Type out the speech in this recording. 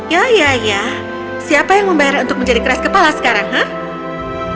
ya iya ya siapa yang membayar untuk menjadi keras kepala sekarang hah